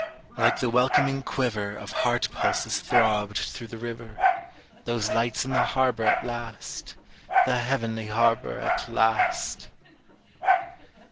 like the welcoming quiver Of heart pulses throbbed through the river, Those lights in the harbor at last, The heavenly harbor at last!